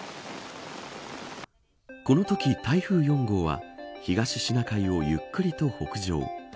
このとき台風４号は東シナ海をゆっくりと北上。